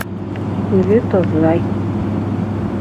Күҙе тоҙҙай